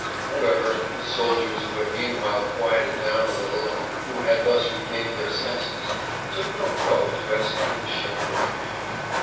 However, the soldiers who had meanwhile quieted down a little and who had thus regained their senses took no trouble to execute the shameful command.